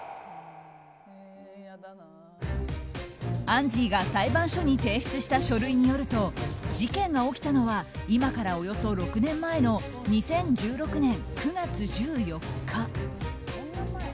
アンジーが裁判所に提出した書類によると事件が起きたのは今から、およそ６年前の２０１６年９月１４日。